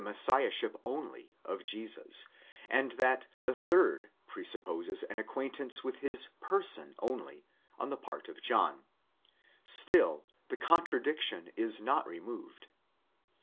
Messiahship only of Jesus, and that the third presupposes an acquaintance with his person only, on the part of John; still the contradiction is not re moved.